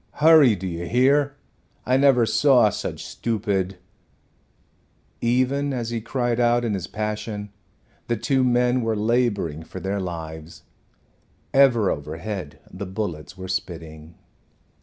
Hurry, do you hear? I never saw such stupid " Even as he cried out in his passion the two men were laboring for their lives. Ever overhead the bullets were spitting.